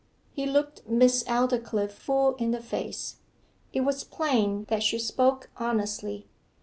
He looked Miss Aldclyffe full in the face. It was plain that she spoke honestly.